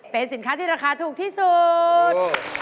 เป็นสินค้าที่ราคาถูกที่สุด